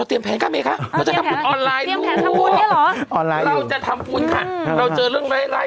เดี๋ยวเราจะทำบุญกันหน่อยอ่า